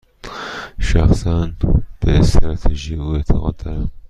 شخصا، به استراتژی او اعتقاد دارم.